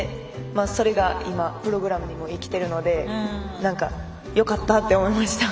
プログラムにも生きてるのでよかったって思いました。